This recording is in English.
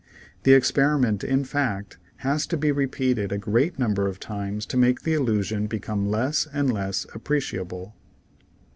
The experiment, in fact has to be repeated a great number of times to make the illusion become less and less appreciable.